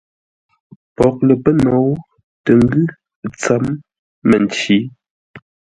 Poghʼ lə pə́ nou tə́ ngʉ́ tsə̌m məncǐ.